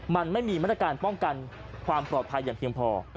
มันไม่มีมาตรการป้องกันความปลอดภัยอย่างเพียงพอ